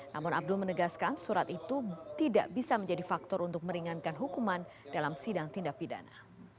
namun abdul menegaskan surat itu tidak bisa menjadi faktor untuk meringankan hukuman dalam sidang tindak pidana